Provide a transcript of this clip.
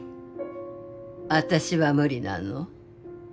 私は無理なの？